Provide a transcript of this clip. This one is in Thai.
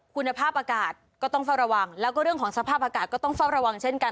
คุณภาพอากาศก็ต้องเฝ้าระวังแล้วก็เรื่องของสภาพอากาศก็ต้องเฝ้าระวังเช่นกัน